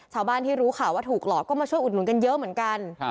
ชาวบ้านที่รู้ข่าวว่าถูกหลอกก็มาช่วยอุดหนุนกันเยอะเหมือนกัน